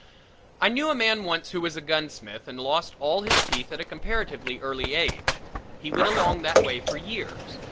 I knew a man once who was a gunsmith and lost all his teeth at a comparatively early age. He went along that way for years.